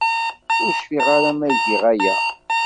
Ur cfiɣ ara ma giɣ aya.